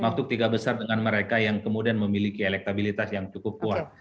masuk tiga besar dengan mereka yang kemudian memiliki elektabilitas yang cukup kuat